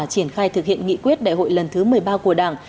triển khai thực hiện nghị quyết đại hội lần thứ một mươi ba của đảng